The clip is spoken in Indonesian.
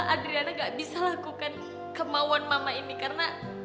adriana gak bisa lakukan kemauan mama ini karena